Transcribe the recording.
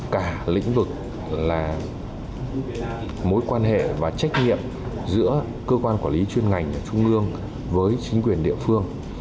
cả lĩnh vực là mối quan hệ và trách nhiệm giữa cơ quan quản lý chuyên ngành ở trung ương với chính quyền địa phương